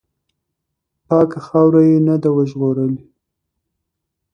پاکه خاوره یې نه ده وژغورلې.